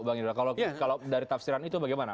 bang indra kalau dari tafsiran itu bagaimana